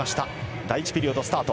第１ピリオドスタート。